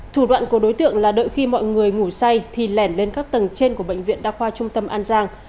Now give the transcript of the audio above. thủ đoạn của đối tượng là đợi khi mọi người ngủ say thì lẻn lên các tầng trên của bệnh viện đa khoa trung tâm an giang